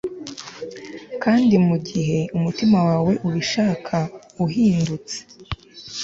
Kandi mugihe umutima wawe ubishaka uhindutse